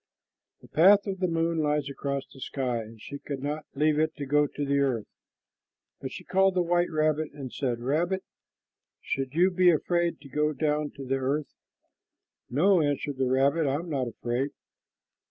The path of the moon lies across the sky, and she could not leave it to go to the earth, but she called the white rabbit and said, "Rabbit, should you be afraid to go down to the earth?" "No," answered the rabbit, "I am not afraid."